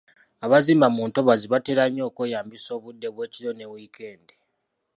Abazimba mu ntobazi batera nnyo okweyambisa obudde bw’ekiro ne wiikendi.